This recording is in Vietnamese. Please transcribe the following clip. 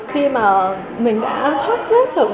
khi mà mình đã thoát chết